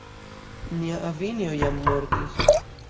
Nia avinjo jam mortis.